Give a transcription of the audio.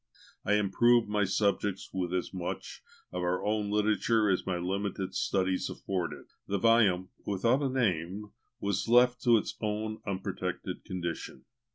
I improved my subjects with as much of our own literature as my limited studies afforded. The volume, without a name, was left to its own unprotected condition.